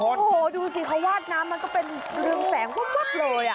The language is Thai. โอ้โหดูสิเขาวาดน้ำมันก็เป็นเรืองแสงวับเลย